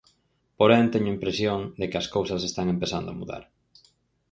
Porén, teño a impresión de que as cousas están empezando a mudar.